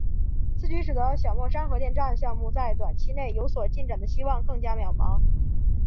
此举使得小墨山核电站项目在短期内有所进展的希望更加渺茫。